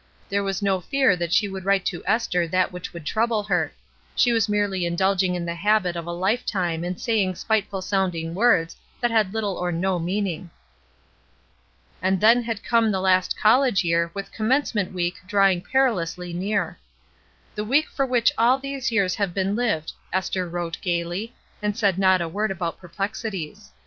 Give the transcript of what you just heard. There was no fear that she would write to Esther that which would trouble her; she was merely indulging in the habit of a lifetime and saying spiteful sounding words that had Uttle or no meaning. And then had come the last college year with Commencement week drawing perilously near. "The week for which all these years have been lived/' Esther wrote gayly, and said not a word about perplexities.